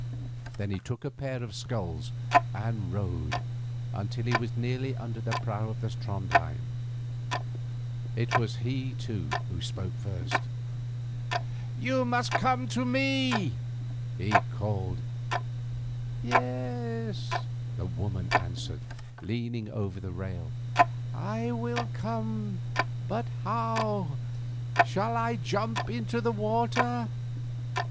Then he took a pair of sculls and rowed until he was nearly under the prow of the Trondhjem. It was he, too, who spoke first. "You must come to me," he called. "Yes," the woman answered, leaning over the rail; "I will come, but how? Shall I jump into the water?"